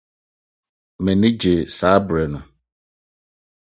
M'ani gyei saa bere no.